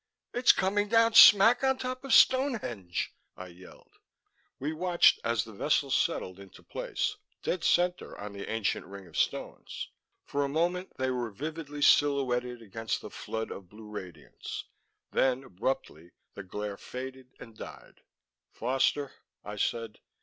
"It's coming down smack on top of Stonehenge," I yelled. We watched as the vessel settled into place dead center on the ancient ring of stones. For a moment they were vividly silhouetted against the flood of blue radiance; then abruptly, the glare faded and died. "Foster," I said.